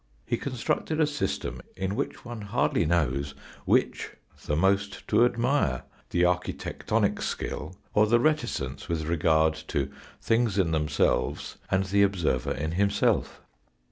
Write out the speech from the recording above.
He constructed a system in which one hardly knows which the most to admire, the architectonic skill, or the reticence with regard to things in themselves, and the observer in himself.